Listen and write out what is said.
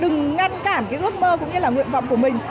nhưng mà đừng ngăn cản cái ước mơ cũng như là nguyện vọng của mình